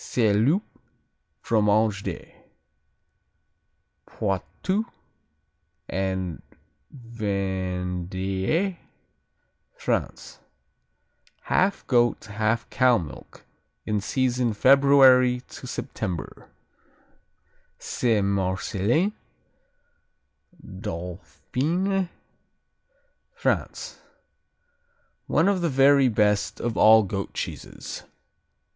Saint Loup, Fromage de Poitou and Vendée, France Half goat, half cow milk, in season February to September Saint Marcellin Dauphiné, France One of the very best of all goat cheeses.